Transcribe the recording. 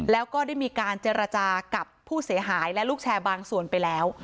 แล้วก็ได้มีการเจรจากับผู้เสียหายและลูกแชร์บางส่วนไปแล้ว